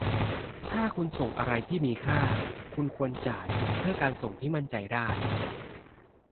ถ้าคุณส่งอะไรที่มีค่า คุณควรจ่ายเพื่อการส่งที่มั่นใจได้